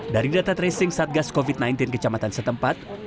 dari data tracing satgas covid sembilan belas kecamatan setempat